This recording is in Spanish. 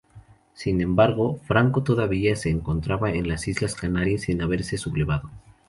Sin embargo, Franco todavía se encontraba en las Islas Canarias sin haberse sublevado.